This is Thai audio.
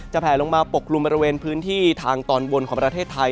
แผลลงมาปกกลุ่มบริเวณพื้นที่ทางตอนบนของประเทศไทย